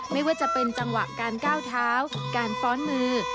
ไม่ว่าจะเป็นจังหวะการก้าวเท้าการฟ้อนมือ